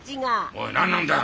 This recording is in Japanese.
おい何なんだ？